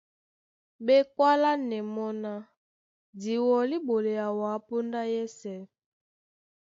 Ɓé kwálánɛ́ mɔ́ ná:Di wɔlí ɓolea wǎ póndá yɛ́sɛ̄.